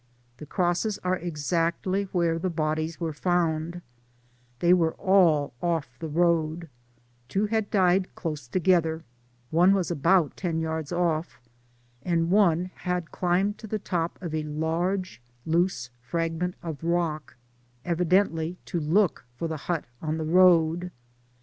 The crosses are eltactly where the bodies were found ; they were all off the road ; two had died close toge ther, one was about ten yards off, and one had Digitized byGoogk 224 JOUENEY TO THE SILVEE MINE . climbed to the top of a large loose fragment of rock, evidently to look for the hut on the road.